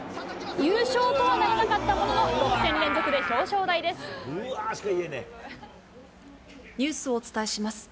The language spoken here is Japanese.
優勝とはならなかったものの、ニュースをお伝えします。